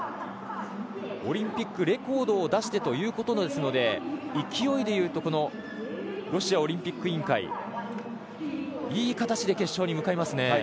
オリンピックレコードを出してということですので勢いで言うとロシアオリンピック委員会いい形で決勝に向かいますね。